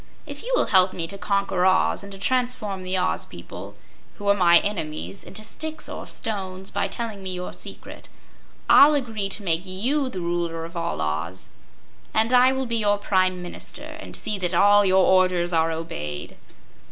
If you will help me to conquer Oz and to transform the Oz people, who are my enemies, into sticks or stones, by telling me your secret, I'll agree to make YOU the Ruler of all Oz, and I will be your Prime Minister and see that your orders are obeyed."